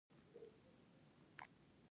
د ډاکټر له مشورې پرته درمل مه کاروئ.